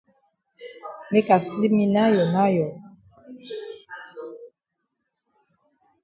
Make I sleep me nayo nayo.